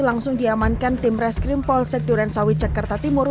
langsung diamankan tim reskrim polsek durensawit jakarta timur